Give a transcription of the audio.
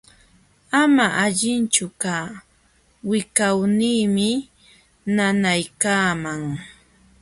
Manam allinchu kaa, wiqawniimi nanaykaaman.